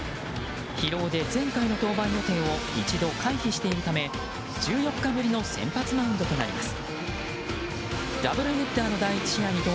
疲労で前回の登板予定を一度回避しているため１４日ぶりの先発マウンドとなります。